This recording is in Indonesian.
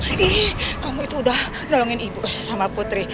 ini kamu itu udah nolongin ibu sama putri